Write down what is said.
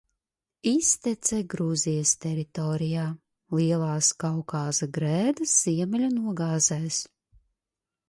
Iztece Gruzijas teritorijā, Lielās Kaukāza grēdas ziemeļu nogāzēs.